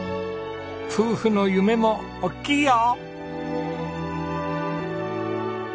夫婦の夢も大きいよ！